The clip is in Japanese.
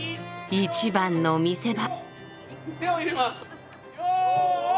一番の見せ場。